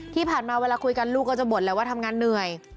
ที่ผ่านมาเวลาคุยกันลูกก็จะบ่นแหละว่าทำงานเหนื่อย